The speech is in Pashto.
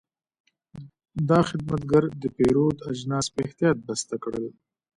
دا خدمتګر د پیرود اجناس په احتیاط بسته کړل.